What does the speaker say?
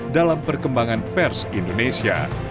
dalam perkembangan pers indonesia